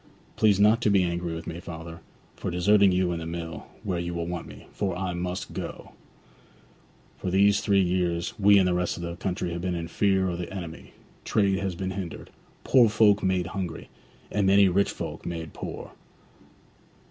Please not to be angry with me, father, for deserting you and the mill, where you want me, for I must go. For these three years we and the rest of the country have been in fear of the enemy; trade has been hindered; poor folk made hungry; and many rich folk made poor.